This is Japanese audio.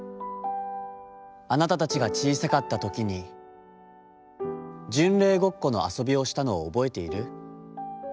『あなたたちが小さかった時に、『巡礼ごっこ』の遊びをしたのを覚えている？